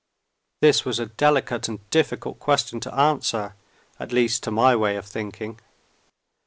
This was a delicate and difficult question to answer at least, to my way of thinking.